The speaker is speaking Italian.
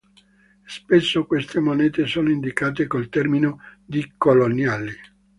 Spesso queste monete sono indicate col termine di coloniali.